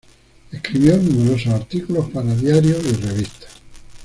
Escribió numerosos artículos para diarios y revistas.